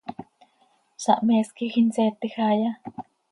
¿Sahmees quij inseetej haaya?